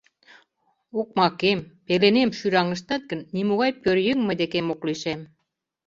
— Окмакем, пеленем шӱраҥыштат гын, нимогай пӧръеҥ мый декем ок лишем.